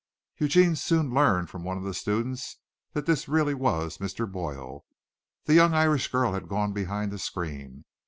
Eugene soon learned from one of the students that this really was Mr. Boyle. The young Irish girl had gone behind the screen.